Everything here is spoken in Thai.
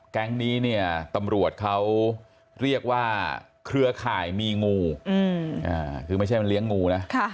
แก๊งนี้เนี่ยตำรวจเขาเรียกว่าเครือข่ายมีงูคือไม่ใช่มันเลี้ยงงูนะ